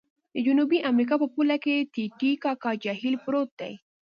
د جنوبي امریکا په پوله کې د ټې ټې کاکا جهیل پروت دی.